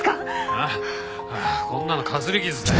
ああこんなのかすり傷だよ。